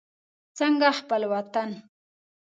څنګه خپل وطن.